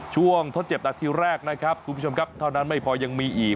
ทดเจ็บนาทีแรกนะครับคุณผู้ชมครับเท่านั้นไม่พอยังมีอีก